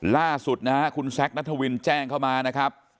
ล่าสุดนะฮะคุณแซคนัทวินแจ้งเข้ามานะครับ